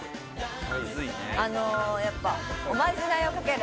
やっぱおまじないをかける。